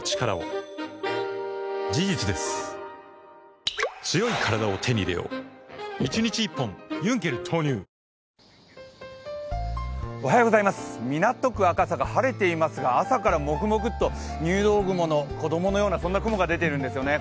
この時間は腫れていますが港区赤坂、晴れていますが朝からもくもくっと入道雲の子供のような雲が出ているんですよね。